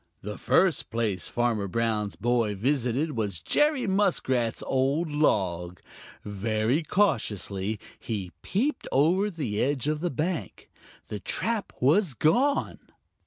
The first place Farmer Brown's boy visited was Jerry Muskrat's old log. Very cautiously he peeped over the edge of the bank. The trap was gone!